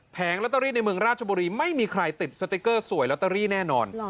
ลอตเตอรี่ในเมืองราชบุรีไม่มีใครติดสติ๊กเกอร์สวยลอตเตอรี่แน่นอน